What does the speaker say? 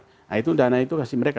nah itu dana itu kasih mereka